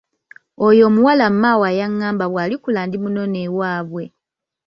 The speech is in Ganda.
Oyo omuwala maawa yangamba bw'alikula ndimunona ewaabwe.